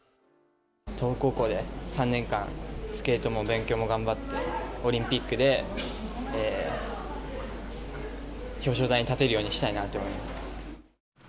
東北高校で３年間スケートも勉強も頑張ってオリンピックで表彰台に立てるようにしたいなと思います。